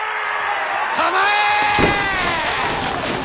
構え！